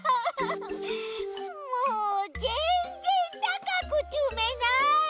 もうぜんぜんたかくつめない。